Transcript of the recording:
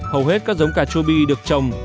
hầu hết các giống cà chua bi được trồng